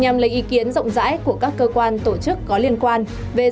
nhằm lấy ý kiến rộng rãi của các cơ quan tổ chức có liên quan về dự án